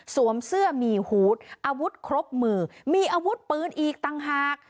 เสื้อมีฮูตอาวุธครบมือมีอาวุธปืนอีกต่างหาก